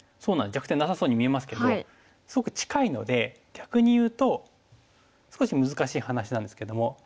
弱点なさそうに見えますけどすごく近いので逆に言うと少し難しい話なんですけども。